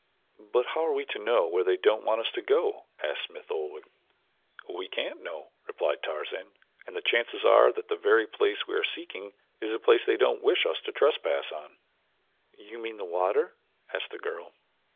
"But how are we to know where they don't want us to go?" asked Smith Oldwick. "We can't know," replied Tarzan, "and the chances are that the very place we are seeking is the place they don't wish us to trespass on." "You mean the water?" asked the girl.